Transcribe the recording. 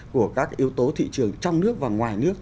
của các yếu tố thị trường trong nước và ngoài nước